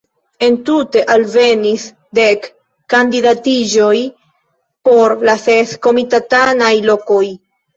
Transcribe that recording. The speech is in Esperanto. Entute alvenis dek kandidatiĝoj por la ses komitatanaj lokoj.